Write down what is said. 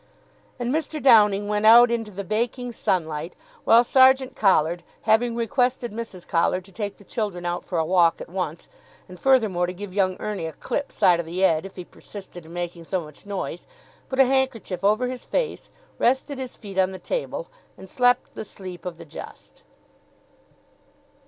And Mr. Downing went out into the baking sunlight, while Sergeant Collard, having requested Mrs. Collard to take the children out for a walk at once, and furthermore to give young Ernie a clip side of the 'ead, if he persisted in making so much noise, put a handkerchief over his face, rested his feet on the table, and slept the sleep of the just.